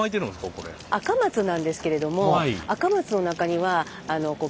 アカマツなんですけれどもアカマツの中にはへえ！